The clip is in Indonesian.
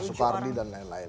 supardi dan lain lain